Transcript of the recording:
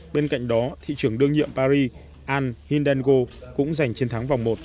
bên cạnh đó thị trưởng đương nhiệm paris al hindengo cũng giành chiến thắng vòng một